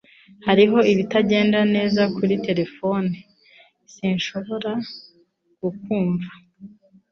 Hariho ibitagenda neza kuri terefone. Sinshobora kukumva